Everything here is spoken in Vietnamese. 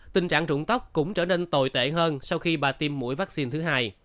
tình trạng trụng tóc cũng trở nên tồi tệ hơn sau khi bà tiêm mũi vaccine thứ hai